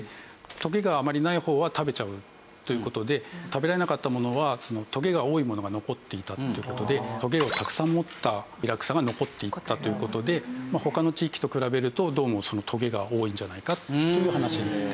トゲがあまりない方は食べちゃうという事で食べられなかったものはトゲが多いものが残っていたという事でトゲをたくさん持ったイラクサが残っていったという事で他の地域と比べるとどうもトゲが多いんじゃないかという話です。